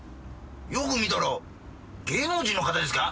よく見たら芸能人の方ですか？